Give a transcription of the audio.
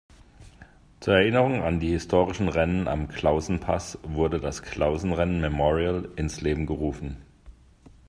Zur Erinnerung an die historischen Rennen am Klausenpass wurde das Klausenrennen-Memorial ins Leben gerufen.